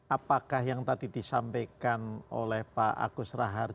apakah yang tadi disampaikan oleh pak agus raharjo